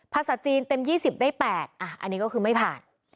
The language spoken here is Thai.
ภาษาจีนเต็ม๒๐ได้๘อันนี้ก็คือไม่ผ่าน